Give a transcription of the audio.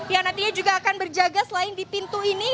yang nantinya juga akan berjaga selain di pintu ini